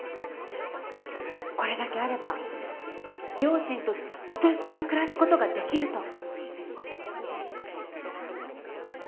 これだけあれば両親とずっと一緒に暮らす事ができると。